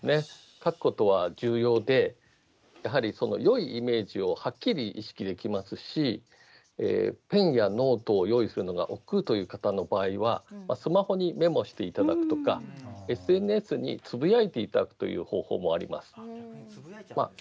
書くことは重要でよいイメージをはっきり意識できますしペンやノートを用意するのがおっくうな方の場合はスマホにメモしていただくとかＳＮＳにつぶやいていただくという方法もあります。